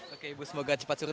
oke ibu semoga cepat surut